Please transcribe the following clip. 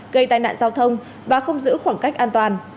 gây tai nạn giao thông và không giữ khoảng cách an toàn